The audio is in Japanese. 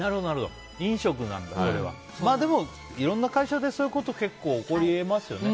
いろんな会社でそういうことが結構起こり得ますよね。